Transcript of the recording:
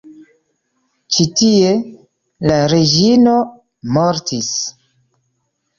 Ĉi-tie la reĝino mortis.